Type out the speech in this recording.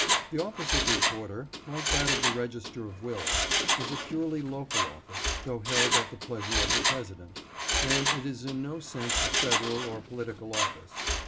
The office of Recorder, like that of the Register of Wills, is a purely local office, though held at the pleasure of the President, and it is in no sense a federal or political office.